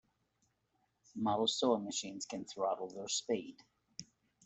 Modern sewing machines can throttle their speed.